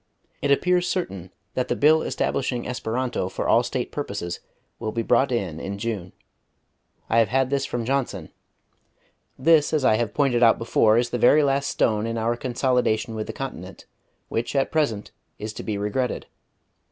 It appears certain that the Bill establishing Esperanto for all State purposes will be brought in in June. I have had this from Johnson. This, as I have pointed out before, is the very last stone in our consolidation with the continent, which, at present, is to be regretted....